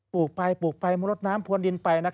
ปลูกไปปลูกไปเบารสน้ำบอวนดินไป